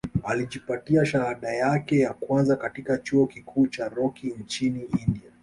Alijipatia shahada yake ya kwanza katika chuo kikuu cha Rocky nchini India